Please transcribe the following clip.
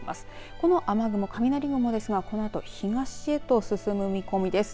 この雨雲、雷雲ですがこのあと東へと進む見込みです。